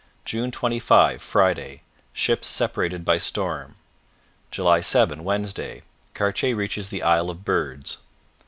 June 25 Friday Ships separated by storm. July 7 Wednesday Cartier reaches the Isle of Birds.